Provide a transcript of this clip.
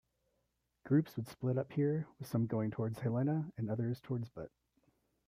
Groups would split up here, with some going towards Helena, others towards Butte.